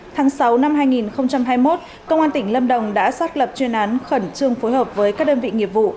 tháng sáu năm hai nghìn hai mươi một công an tỉnh lâm đồng đã xác lập chuyên án khẩn trương phối hợp với các đơn vị nghiệp vụ